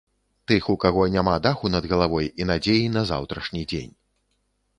Тых, у каго няма даху над галавой і надзеі на заўтрашні дзень.